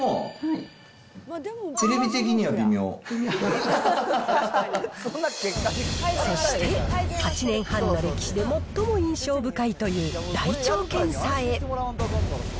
まあ、そして、８年半の歴史で最も印象深いという大腸検査へ。